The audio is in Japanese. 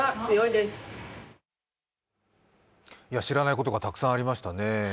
知らないことがたくさんありましたね。